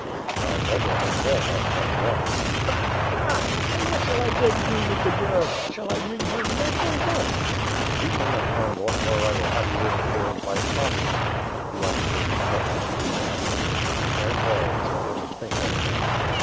"Our mother has borne us but once." "Bah! bah! And what shall I then do with the girl? Shall I wring her neck, or what?" "If you lay a hand on her I will have you impaled by oxen." The officer reflected gloomily. "If I fall, tell her to think of me."